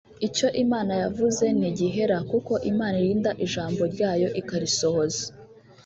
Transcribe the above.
icyo Imana yavuze ntigihera kuko Imana irinda ijambo ryayo ikarisohoza